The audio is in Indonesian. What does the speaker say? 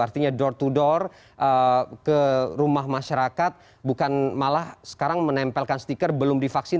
artinya door to door ke rumah masyarakat bukan malah sekarang menempelkan stiker belum divaksin